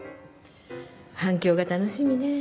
反響が楽しみね。